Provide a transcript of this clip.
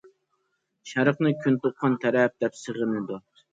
شەرقنى كۈن تۇغقان تەرەپ دەپ سېغىنىدۇ.